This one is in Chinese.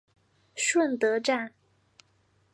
顺德站